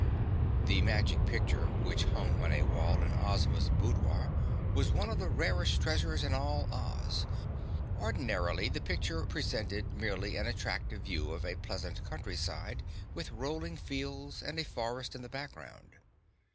The Magic Picture which hung on a wall in Ozma's boudoir was one of the rarest treasures in all Oz. Ordinarily the picture presented merely an attractive view of a pleasant countryside with rolling fields and a forest in the background.